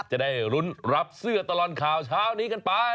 จะได้รุ้นรับเสื้อตลอดข่าวเช้านี้กันไป